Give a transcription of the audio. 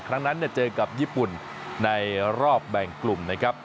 ครั้งนั้นเจอกับญี่ปุ่นในรอบแบ่งกลุ่มนะครับ